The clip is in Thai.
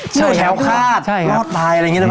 โลกทำคาดจากล้อตายอะไรนี่ได้ปะ